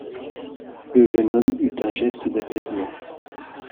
Le jeune homme eut un geste d’apaisement.